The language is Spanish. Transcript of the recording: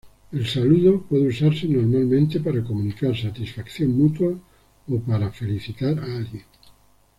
El saludo puede usarse normalmente para comunicar satisfacción mutua o para felicitar a alguien.